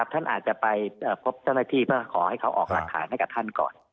ท่านอาจจะไปพบเจ้าหน้าที่เพื่อขอให้เขาออกหลักฐานให้กับท่านก่อน